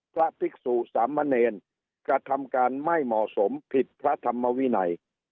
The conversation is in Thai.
พระภิกษุสามเณรกระทำการไม่เหมาะสมผิดพระธรรมวินัย